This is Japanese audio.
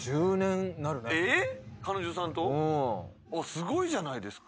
すごいじゃないですか。